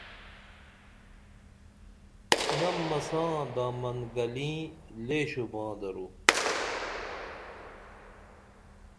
نم مساں دامن گلیں لے شوباں درو